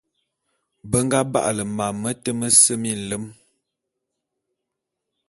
Be nga ba'ale mam mete mese minlem.